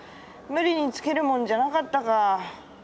無理に付けるもんじゃなかったか。